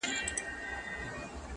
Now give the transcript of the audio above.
د خپل بابا پر مېنه چلوي د مرګ باړونه!!